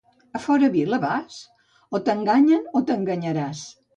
A fora vila vas? o t'enganyen o t'enganyaràs.